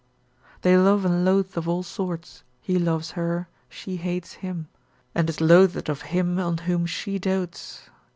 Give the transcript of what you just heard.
They love and loathe of all sorts, he loves her, she hates him; and is loathed of him, on whom she dotes.